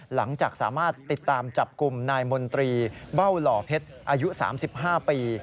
หลังจากสามารถติดตามจับกลุ่มนายมนตรีเบ้าหล่อเพชรอายุ๓๕ปี